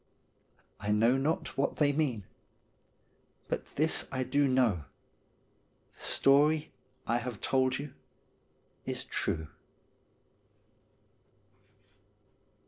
I know not what they mean ; but this I do know, the story I have told you is true.